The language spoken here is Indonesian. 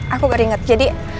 aku baru ingat jadi